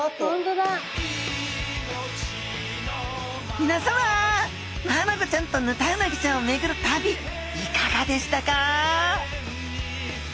みなさまマアナゴちゃんとヌタウナギちゃんをめぐる旅いかがでしたか？